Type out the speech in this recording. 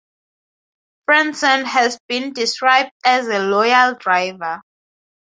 Frentzen has been described as a "loyal" driver.